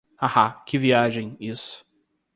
Haha, que viagem, isso.